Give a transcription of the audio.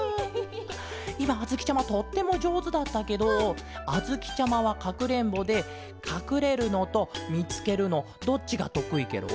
いまあづきちゃまとってもじょうずだったけどあづきちゃまはかくれんぼでかくれるのとみつけるのどっちがとくいケロ？